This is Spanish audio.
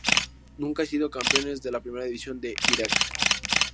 Nunca han sido campeones de la Primera División de Irak.